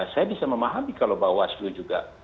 saya bisa memahami kalau bawa hasil juga